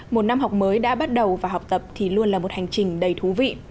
một năm học mới đã bắt đầu và học tập thì luôn là một hành trình đầy thú vị